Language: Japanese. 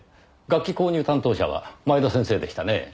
楽器購入担当者は前田先生でしたね？